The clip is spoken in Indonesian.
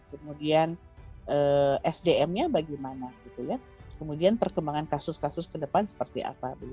kemudian sdm nya bagaimana kemudian perkembangan kasus kasus ke depan seperti apa